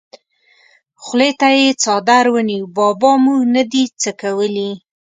خولې ته یې څادر ونیو: بابا مونږ نه دي څکولي!